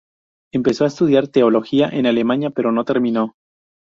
Empezó a estudiar teología en Alemania, pero no terminó.